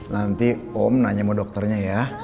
nanti om nanya mau dokternya ya